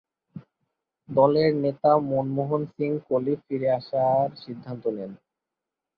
দলের নেতা মনমোহন সিং কোহলি ফিরে আসার সিদ্ধান্ত নেন।